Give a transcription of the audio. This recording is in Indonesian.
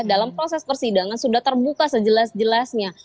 dalam proses persidangan sudah terbuka sejelas jelasnya